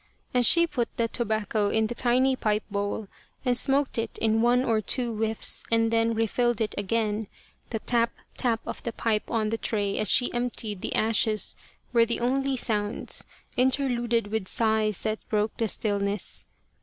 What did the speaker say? As she put the tobacco in the tiny pipe bowl and smoked it in one or two whiffs and then refilled it again, the tap, tap of the pipe on the tray as she emptied the ashes were the only sounds, interluded with sighs that broke the stiUness.